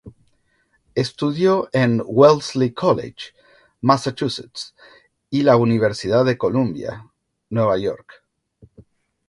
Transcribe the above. Estudió en Wellesley College, Massachusetts y la Universidad de Columbia, Nueva York.